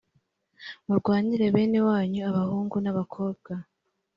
murwanire bene wanyu abahungu n abakobwa